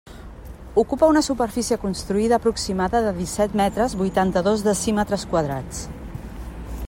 Ocupa una superfície construïda aproximada de disset metres, vuitanta-dos decímetres quadrats.